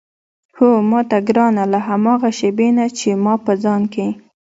هو ماته ګرانه له هماغه شېبې نه چې ما په ځان کې.